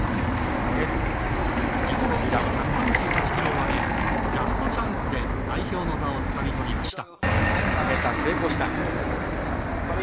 自己ベストの１３８ｋｇを上げラストチャンスで代表の座をつかみとりました。